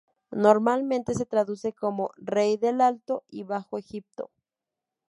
Normalmente se traduce como "rey del Alto y Bajo Egipto".